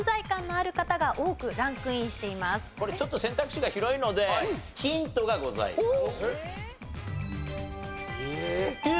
これちょっと選択肢が広いのでヒントがございます。